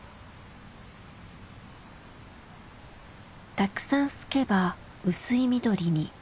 たくさんすけば薄い緑に。